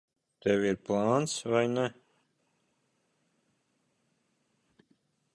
Tev ir plāns, vai ne?